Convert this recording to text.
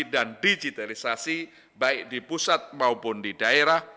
dan digitalisasi baik di pusat maupun di daerah